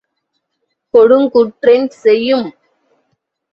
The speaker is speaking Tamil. கொடுங் கூற்றென் செயும்?